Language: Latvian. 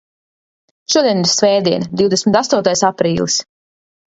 Šodien ir svētdiena, divdesmit astotais aprīlis.